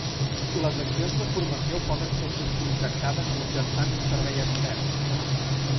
Les accions de formació poden ser subcontractades mitjançant un servei extern.